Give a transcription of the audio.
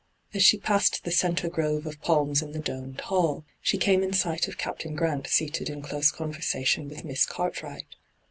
As she passed the centre grove of palms in the domed hall, she came in sight of Captain Grant seated in close conversation with Miss Cartwright.